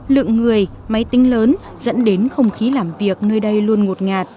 lượng người máy tính lớn dẫn đến không khí làm việc nơi đây luôn ngột ngạt